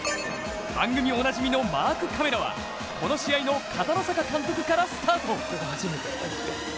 番組おなじみのマークカメラはこの試合の片野坂監督からスタート。